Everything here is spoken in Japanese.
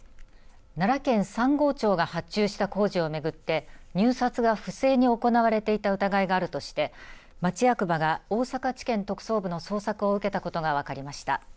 奈良県三郷町が発注した工事を巡って入札が不正に行われていた疑いがあるとして町役場が大阪地検特捜部の捜索を受けたことが分かりました。